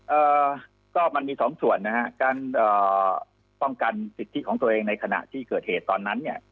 เอ่อก็มันมีสองส่วนนะฮะการเอ่อป้องกันสิทธิของตัวเองในขณะที่เกิดเหตุตอนนั้นเนี่ย